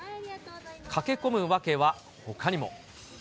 駆け込む訳はほかにも。